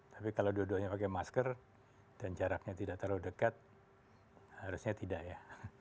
tapi kalau dua duanya pakai masker dan jaraknya tidak terlalu dekat harusnya tidak ya